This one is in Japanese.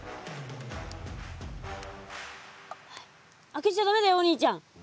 開けちゃだめだよお兄ちゃん。